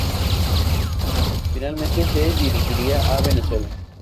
Finalmente se dirigiría a Venezuela.